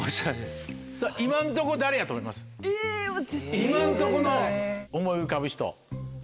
今んとこの思い浮かぶ人。